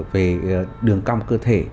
về đường cong cơ thể